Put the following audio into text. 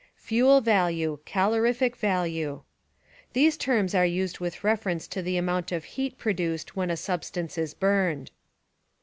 Fuel Value — Calorific Value — These terms are used with refer ence to the amount of heat produced when a substance is burned.